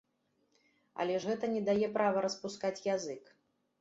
Але ж гэта не дае права распускаць язык.